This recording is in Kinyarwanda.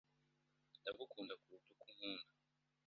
Ndagukunda kuruta uko unkunda.